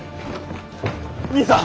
兄さん！